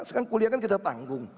sekarang kuliah kan kita tanggung